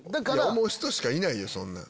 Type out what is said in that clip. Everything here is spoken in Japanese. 思う人しかいないよ！